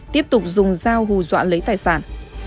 tiếp tục dùng dao hù dọa lấy tài sản